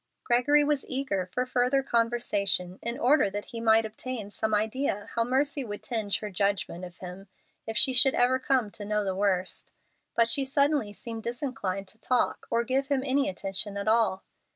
Gregory was eager for further conversation in order that he might obtain some idea how mercy would tinge her judgment of him if she should ever come to know the worst, but she suddenly seemed disinclined to talk, or give him any attention at all.